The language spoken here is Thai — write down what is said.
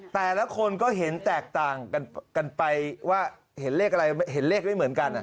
แต่ละคนก็เห็นแตกต่างกันไปว่าเห็นเลขอะไรเห็นเลขไม่เหมือนกัน